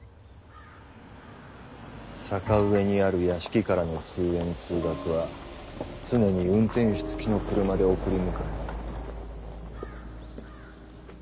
坂上にある屋敷からの通園通学は常に運転手つきの車で送り迎え。